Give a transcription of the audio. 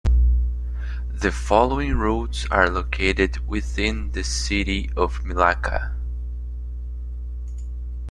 The following routes are located within the city of Milaca.